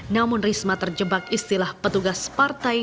namun risma terjebak istilah petugas partai